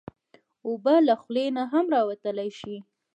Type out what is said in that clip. اوبه له خولې نه هم راوتلی شي.